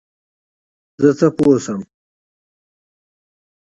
زه څه پوه شم ؟